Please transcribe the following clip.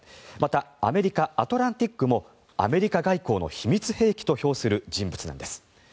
また、アメリカ「アトランティック」もアメリカ外交の秘密兵器と評する人物なんです。